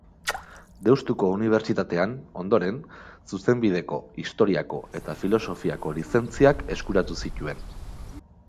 Deustuko Unibertsitatean, ondoren, Zuzenbideko, Historiako eta Filosofiako lizentziak eskuratu zituen.